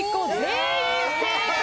全員正解。